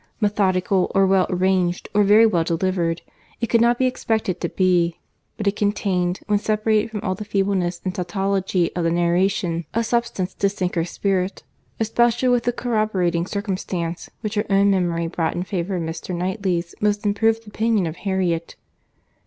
—Methodical, or well arranged, or very well delivered, it could not be expected to be; but it contained, when separated from all the feebleness and tautology of the narration, a substance to sink her spirit—especially with the corroborating circumstances, which her own memory brought in favour of Mr. Knightley's most improved opinion of Harriet.